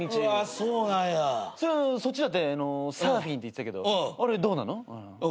そっちだってサーフィンって言ってたけどあれどうなの？